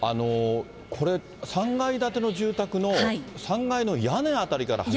これ、３階建ての住宅の、３階の屋根辺りから激しく。